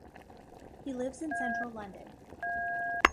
He lives in Central London.